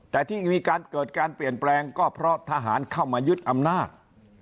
แต่ที่มีการเกิดการเปลี่ยนแปลงก็เพราะทหารเข้ามายึดอำนาจ